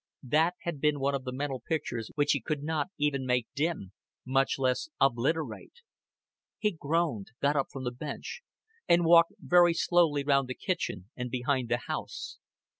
That had been one of the mental pictures which he could not even make dim, much less obliterate. He groaned, got up from the bench, and walked very slowly round the kitchen and behind the house.